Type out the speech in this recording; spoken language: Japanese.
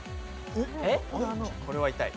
これは痛い。